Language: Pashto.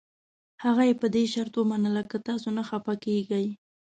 هغه یې په دې شرط ومنله که تاسي نه خفه کېږئ.